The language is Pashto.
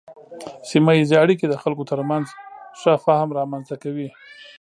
سیمه ایزې اړیکې د خلکو ترمنځ ښه فهم رامنځته کوي.